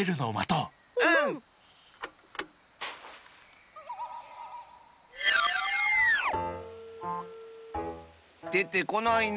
うん！でてこないね。